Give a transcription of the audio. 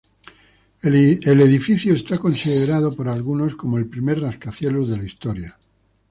El edificio es considerado por algunos como el primer rascacielos de la historia.